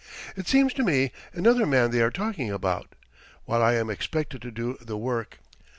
It seems to me another man they are talking about, while I am expected to do the work.